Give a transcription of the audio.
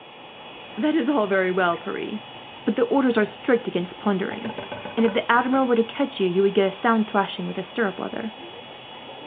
"That is all very well, Pierre; but the orders are strict against plundering and, if the Admiral were to catch you, you would get a sound thrashing with a stirrup leather."